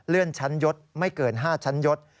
ชั้นยศไม่เกิน๕ชั้นยศ